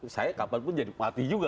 saya kapanpun jadi pelatih juga